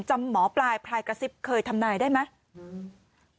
จำหมอปลายพลายกระซิบเคยทำนายได้ไหม